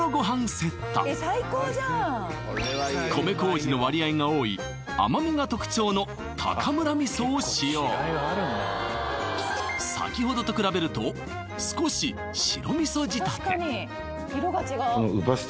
セット米麹の割合が多い甘味が特徴のたかむら味噌を使用先ほどと比べると少し白味噌仕立て